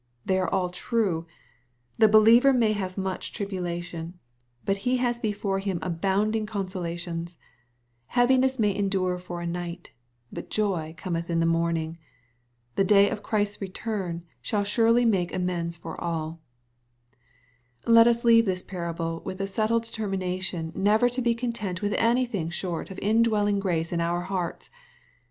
They are all true. The beUever may have much tribulation, but ho has before him abounding MATTHEW, CHAP. XXV. 335 consolations. Heaviness may endure for a nighty but joy cometli in the morning. The day of Christ's return shall surely make amends for alL Let us leave this parable with a settled determination, never to be content with anything short of indwelling grace in our hearts.